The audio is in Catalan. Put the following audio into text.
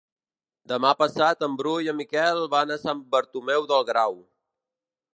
Demà passat en Bru i en Miquel van a Sant Bartomeu del Grau.